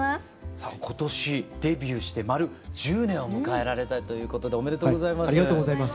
さあ今年デビューして丸１０年を迎えられたということでおめでとうございます。